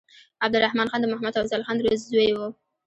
عبدالرحمن خان د محمد افضل خان زوی وو.